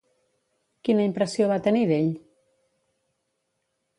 Quina impressió va tenir d'ell?